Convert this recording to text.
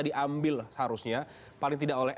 diambil seharusnya paling tidak oleh